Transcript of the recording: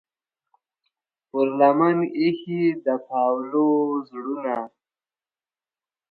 پر لمن ایښې د پاولو زړونه